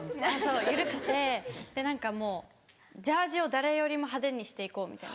緩くてで何かもうジャージーを誰よりも派手にして行こうみたいな。